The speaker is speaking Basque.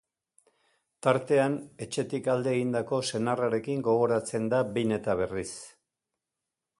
Tartean, etxetik alde egindako senarrarekin gogoratzen da behin eta berriz.